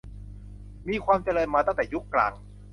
มีความเจริญมาตั้งแต่ยุคกลาง